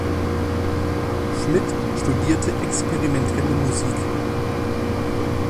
Schmid studierte experimentelle Musik.